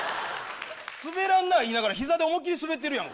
「すべらなぁい」言いながら膝で思いっ切り滑ってるやん。